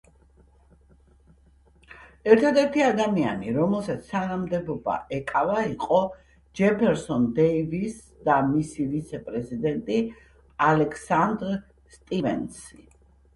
ერთადერთი ადამიანი რომელსაც თანამდებობა ეკავა იყო ჯეფერსონ დეივისს და მისი ვიცე-პრეზიდენტი ალექსანდრ სტივენსი.